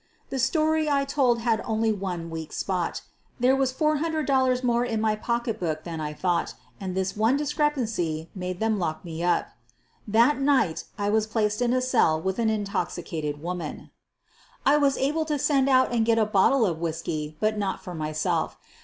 The story I told had only one weak spot. There was $400 more in my pocketbook than I though t> and this one discrepancy made them lock me up. That night I was placed in a cell with an in toxicated woman. I was able to send out and get a bottle of whiskey, but not for myself.